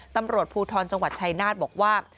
ตำรวจภูทรจังหวัดชายนาฏบอกว่า